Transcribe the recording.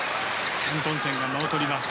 アントンセンが間をとります。